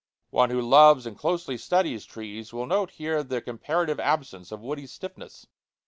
One who loves and closely studies trees will note here the comparative absence of woody stiffness.